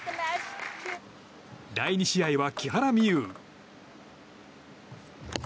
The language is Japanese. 第２試合は木原美悠。